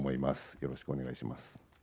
よろしくお願いします。